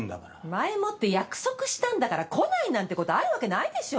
前もって約束したんだから来ないなんてことあるわけないでしょ？